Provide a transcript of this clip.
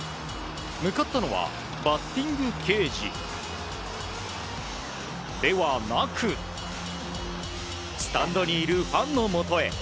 向かったのはバッティングケージではなくスタンドにいるファンのもとへ。